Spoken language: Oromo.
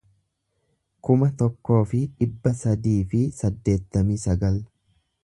kuma tokkoo fi dhibba sadii fi saddeettamii sagal